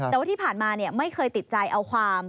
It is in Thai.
แต่ว่าที่ผ่านมาไม่เคยติดใจเอาความ